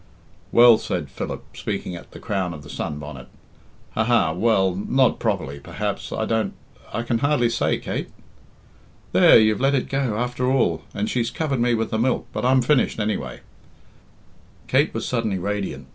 "Well," said Philip, speaking at the crown of the sun bonnet. "Ha! ha! well, not properly perhaps I don't I can hardly say, Kate." "There! You've let it go, after all, and she's covered me with the milk! But I'm finished, anyway." Kate was suddenly radiant.